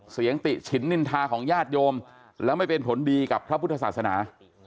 ติฉินนินทาของญาติโยมแล้วไม่เป็นผลดีกับพระพุทธศาสนา